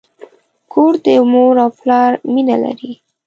کور د مور او پلار مینه لري.